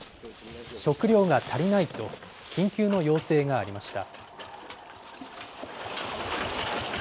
食料が足りないと緊急の要請がありました。